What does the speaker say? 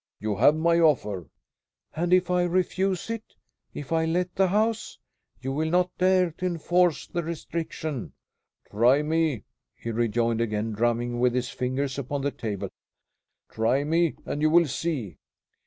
You have my offer." "And if I refuse it? If I let the house? You will not dare to enforce the restriction." "Try me," he rejoined, again drumming with his fingers upon the table. "Try me, and you will see."